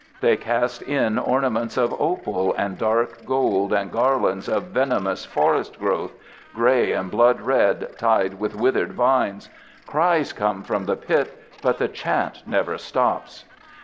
They cast in ornaments of opal and dark gold and garlands of venomous forest growths, gray and blood red, tied with withered vines. Cries come from the pit, but the chant never stops.